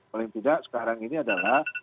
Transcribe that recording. paling tidak sekarang ini adalah